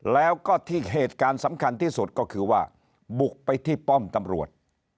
แล้วก็ที่เหตุการณ์สำคัญที่สุดก็คือว่าบุกไปที่ป้อมตำรวจ